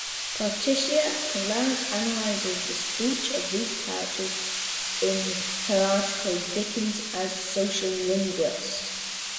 Patricia Poussa analyses the speech of these characters in her article "Dickens as Sociolinguist".